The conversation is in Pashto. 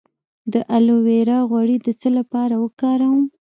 د الوویرا غوړي د څه لپاره وکاروم؟